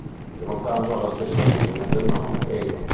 Nel primo caso, ha la stessa origine del nome Egon.